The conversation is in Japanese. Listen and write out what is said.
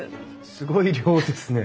すごい量ですね。